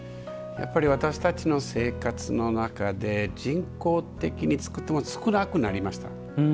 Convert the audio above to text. やっぱり私たちの生活の中で人工的に作ったものは少なくなりました。